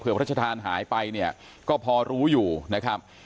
เผื่อพระชาธารหายไปก็พอรู้อยู่นะครับ